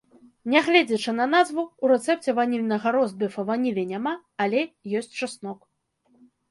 Нягледзячы на назву, у рэцэпце ванільнага ростбіфа ванілі няма, але ёсць часнок.